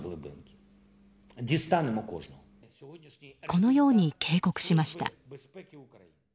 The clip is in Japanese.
このように警告しました。